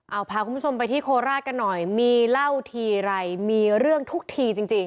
เอาพาคุณผู้ชมไปที่โคราชกันหน่อยมีเล่าทีไรมีเรื่องทุกทีจริง